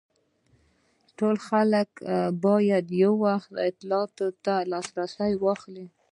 ټول خلک باید په یو وخت له اطاعت لاس واخلي.